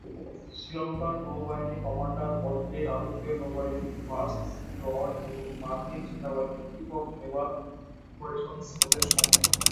শ্রীলঙ্কার নৌবাহিনীর কমান্ডার পদটি রাজকীয় নৌবাহিনীর ফার্স্ট সি লর্ড এবং মার্কিন নৌবাহিনীর চীফ অব নেভাল অপারেশন্স পদের সমান।